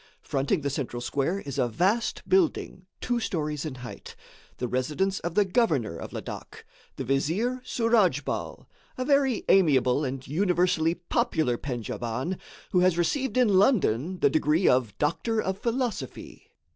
Fronting the central square is a vast building, two stories in height, the residence of the governor of Ladak, the Vizier Souradjbal a very amiable and universally popular Pendjaban, who has received in London the degree of Doctor of Philosophy.